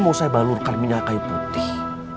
mau saya balurkan minyak kayu putih